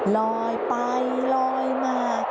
ลอยไปลอยมา